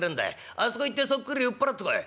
あそこ行ってそっくり売っ払ってこい」。